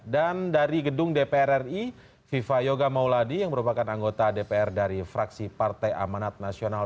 dan dari gedung dpr ri viva yoga mauladi yang merupakan anggota dpr dari fraksi partai amanat nasional